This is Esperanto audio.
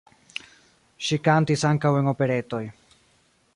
Ŝi kantis ankaŭ en operetoj.